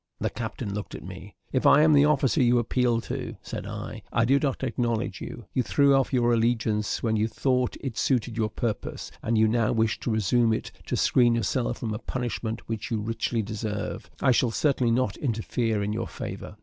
The captain looked at me. "If I am the officer you appeal to," said I, "I do not acknowledge you; you threw off your allegiance when you thought it suited your purpose, and you now wish to resume it to screen yourself from a punishment which you richly deserve. I shall certainly not interfere in your favour."